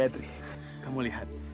gayatri kamu lihat